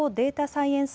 サイエンス